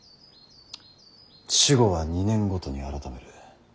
守護は２年ごとに改める。